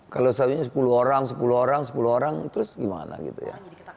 kalau satunya sepuluh orang sepuluh orang sepuluh orang terus gimana gitu ya